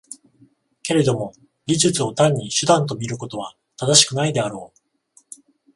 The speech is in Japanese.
けれども技術を単に手段と見ることは正しくないであろう。